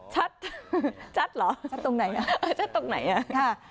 ชัดชัดเหรอชัดตรงไหนอ่ะชัดตรงไหนอ่ะค่ะ